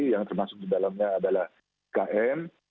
yang termasuk di dalamnya adalah ikn